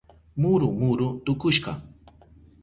Muru muru tukushka.